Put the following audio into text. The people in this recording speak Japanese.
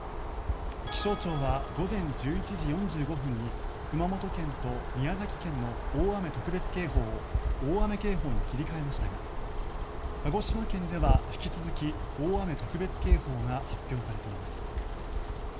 気象庁は午前１１時４５分に熊本県と宮崎県の大雨特別警報を大雨警報に切り替えましたが鹿児島県では引き続き大雨特別警報が発表されています。